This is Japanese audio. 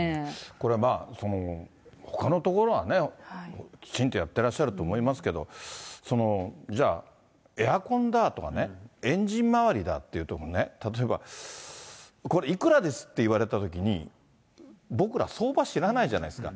これ、ほかの所はきちんとやってらっしゃると思いますけれども、じゃあ、エアコンだとかね、エンジン周りだとかね、例えば、これ、いくらですって言われたときに、僕ら、相場知らないじゃないですか。